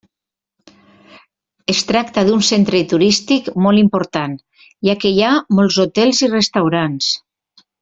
Es tracta d'un centre turístic molt important, ja que hi ha molts hotels i restaurants.